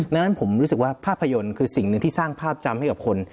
ดังนั้นผมรู้สึกว่าภาพยนตร์คือสิ่งหนึ่งที่สร้างภาพจำให้กับคน